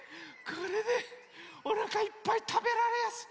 これでおなかいっぱいたべられやす！